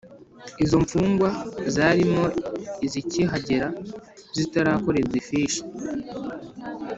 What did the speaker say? Izo mfungwa zarimo izikihagera zitarakorerwa ifishi